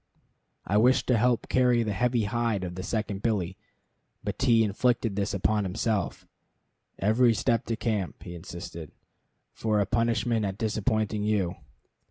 I wished to help carry the heavy hide of the second billy; but T inflicted this upon himself, "every step to camp," he insisted, "for punishment at disappointing you."